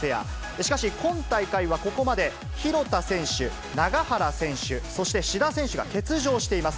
しかし、今大会はここまで廣田選手、永原選手、そして志田選手が欠場しています。